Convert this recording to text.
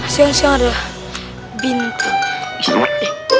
siapa siapa ada bintuk